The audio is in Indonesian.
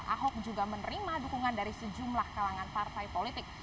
ahok juga menerima dukungan dari sejumlah kalangan partai politik